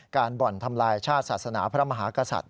บ่อนทำลายชาติศาสนาพระมหากษัตริย